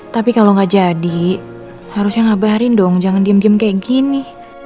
tapi kalau nggak jadi harusnya ngabarin dong jangan diem diem kayak gini